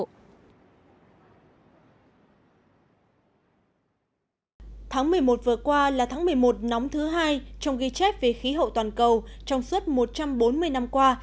tháng một mươi một vừa qua là tháng một mươi một nóng thứ hai trong ghi chép về khí hậu toàn cầu trong suốt một trăm bốn mươi năm qua